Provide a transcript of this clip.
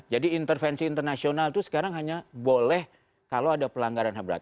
jadi intervensi internasional itu sekarang hanya boleh kalau ada pelanggaran ham berat